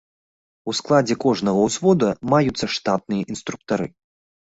У складзе кожнага ўзвода маюцца штатныя інструктары.